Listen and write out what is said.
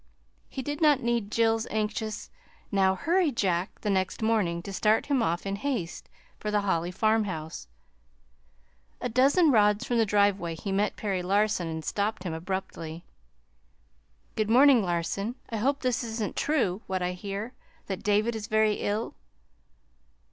He did not need Jill's anxious "Now, hurry, Jack," the next morning to start him off in all haste for the Holly farmhouse. A dozen rods from the driveway he met Perry Larson and stopped him abruptly. "Good morning, Larson; I hope this isn't true what I hear that David is very ill."